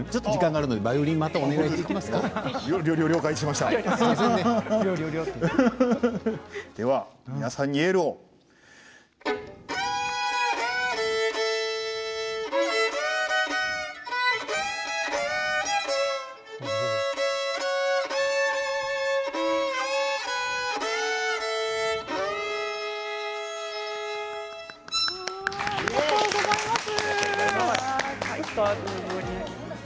ありがとうございます。